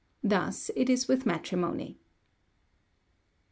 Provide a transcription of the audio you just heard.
Thus it is with matrimony" (pp.